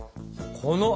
この。